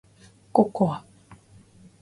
ココア